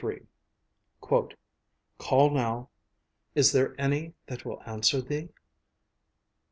CHAPTER XLIII "_Call now; is there any that will answer thee?